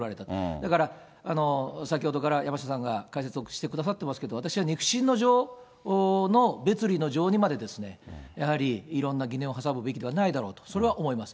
だから先ほどから山下さんが解説をしてくださっていますけれども、私は肉親の情に別離の情にまでですね、やはりいろんな疑念を挟むべきではないだろうと、それは思います。